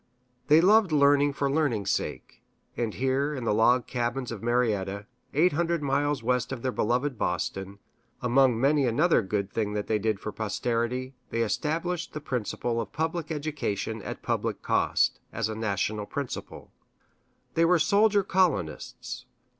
They loved learning for learning's sake; and here, in the log cabins of Marietta, eight hundred miles west of their beloved Boston, among many another good thing they did for posterity, they established the principle of public education at public cost, as a national principle. They were soldier colonists.